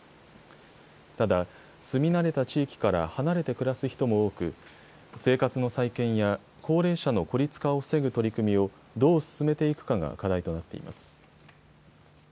ただ住み慣れた地域から離れて暮らす人も多く生活の再建や高齢者の孤立化を防ぐ取り組みをどう進めていくかが課題となっています。